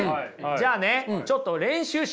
じゃあねちょっと練習しましょう。